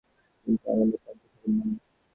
কিন্তু আমি নিতান্তই সাধারণ মানুষ।